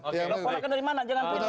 ponakan dari mana jangan pindah